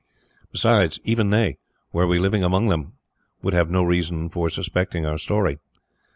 Besides, even they, were we living among them, would have no reason for suspecting our story.